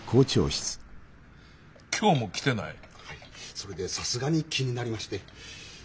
それでさすがに気になりまして。